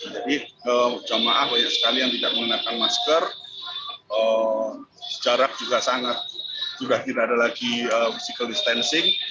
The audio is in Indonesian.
jadi jemaah banyak sekali yang tidak menggunakan masker jarak juga sangat sudah tidak ada lagi physical distancing